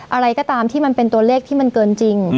อะไรก็ตามที่มันเป็นตัวเลขที่มันเกินจริง